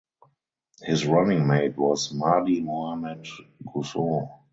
His running mate was Mahdi Mohammed Gusau.